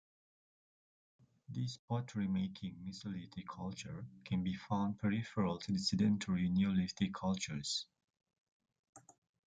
This pottery-making Mesolithic culture can be found peripheral to the sedentary Neolithic cultures.